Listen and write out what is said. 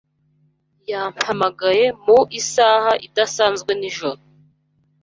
Yampamagaye mu isaha idasanzwe nijoro.